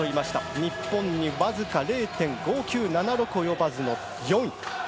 日本にわずか０．５９７６及ばずの４位。